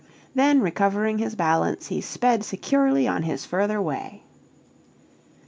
Then, recovering his balance, he sped securely on his further way.